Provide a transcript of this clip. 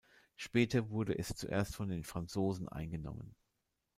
Später wurde es zuerst von den Franzosen eingenommen.